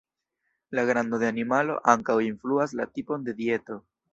La grando de animalo ankaŭ influas la tipon de dieto.